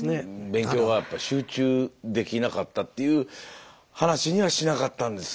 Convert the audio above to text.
勉強がやっぱ集中できなかったっていう話にはしなかったんですね。